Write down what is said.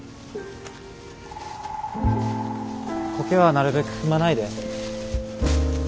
苔はなるべく踏まないで。